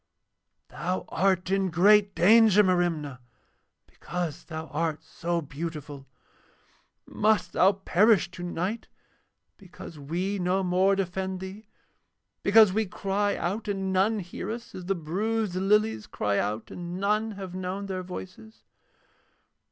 'Thou art in great danger, Merimna, because thou art so beautiful. Must thou perish tonight because we no more defend thee, because we cry out and none hear us, as the bruised lilies cry out and none have known their voices?'